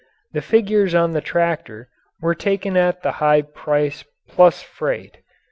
The figures on the tractor were taken at the high price plus freight.